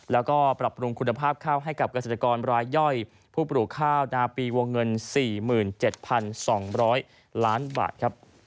แล้วก็ปรับปรุงคุณภาพข้าวให้กับเกษตรกรรายย่อยผู้ปลูกข้าวนาปีวงเงิน๔๗๒๐๐ล้านบาทครับ